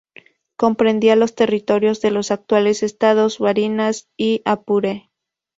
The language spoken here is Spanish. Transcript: Comprendía los territorios de los actuales estados Barinas y Apure.